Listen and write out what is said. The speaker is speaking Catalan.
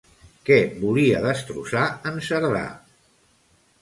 Què volia destrossar en Cerdà?